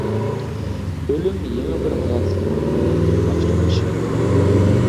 ئۆلۈم يېڭى بىر ھاياتلىقنىڭ مەڭگۈلۈك باشلىنىشى!